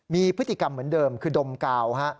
มีพฤติกรรมเหมือนเดิมคือดมกาว